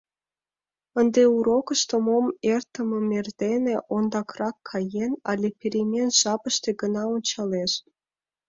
Ынде урокышто мом эртымым эрдене, ондакрак каен, але перемен жапыште гына ончалеш.